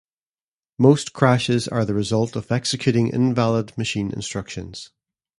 Most crashes are the result of executing invalid machine instructions.